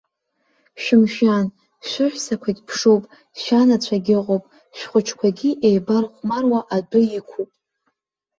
Шәымшәан, шәыҳәсақәагь ԥшуп, шәанацәагь ыҟоуп, шәхәыҷқәагьы еибархәмаруа адәы иқәуп!